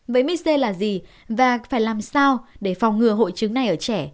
với mis c là gì và phải làm sao để phòng ngừa hội chứng này ở trẻ